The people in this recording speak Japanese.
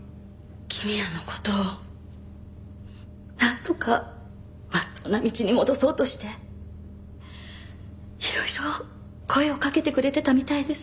公也の事をなんとかまっとうな道に戻そうとしていろいろ声をかけてくれてたみたいです。